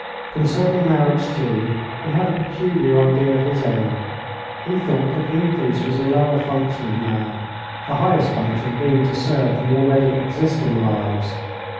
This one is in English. Concerning marriage, too, he had a peculiar idea of his own; he thought that increase was a lower function of man, the highest function being to serve the already existing lives.